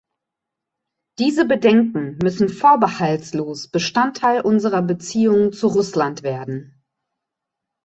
Diese Bedenken müssen vorbehaltlos Bestandteil unserer Beziehungen zu Russland werden.